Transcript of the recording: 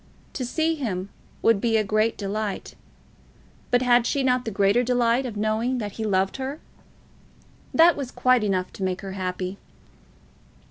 To see him would be a great delight. But had she not the greater delight of knowing that he loved her? That was quite enough to make her happy.